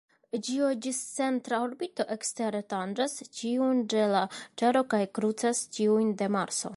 Ĝia discentra orbito ekstere tanĝas tiun de la Tero kaj krucas tiujn de Marso.